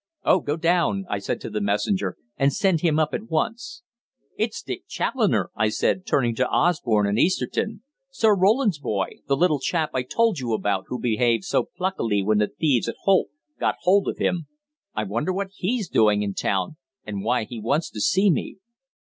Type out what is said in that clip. Oh, go down," I said to the messenger, "and send him up at once." "It's Dick Challoner," I said, turning to Osborne and Easterton, "Sir Roland's boy, the little chap I told you about who behaved so pluckily when the thieves at Holt got hold of him. I wonder what he's doing in town, and why he wants to see me."